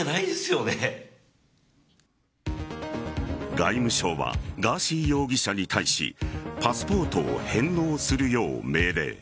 外務省はガーシー容疑者に対しパスポートを返納するよう命令。